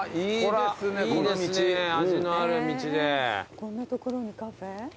こんな所にカフェ？